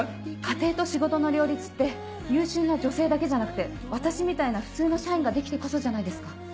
家庭と仕事の両立って優秀な女性だけじゃなくて私みたいな普通の社員ができてこそじゃないですか。